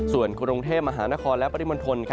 ส่วนกรุงเทพมหานครและปริมณฑล